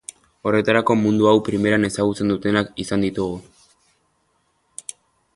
Horretarako mundu hau primeran ezagutzen dutenak izan ditugu.